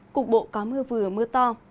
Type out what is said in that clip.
cục bộ có mưa vừa mưa to